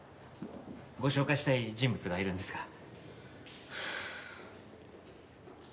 ご紹介したい人物がいるんですが。